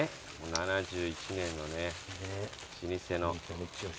７１年の老舗の。